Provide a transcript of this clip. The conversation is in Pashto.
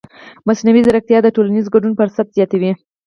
مصنوعي ځیرکتیا د ټولنیز ګډون فرصت زیاتوي.